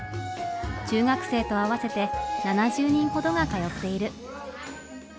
中学生と合わせて７０人ほどが通っている。